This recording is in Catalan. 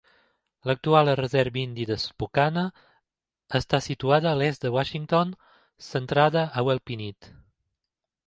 L'actual reserva índia de Spokane està situada a l'est de Washington, centrada a Wellpinit.